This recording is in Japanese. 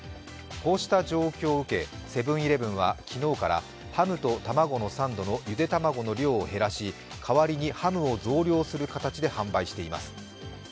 こうした状況を受け、セブン−イレブンは昨日からハムとたまごのサンドのゆで卵の量を減らし代わりにハムを増量する形で販売しています。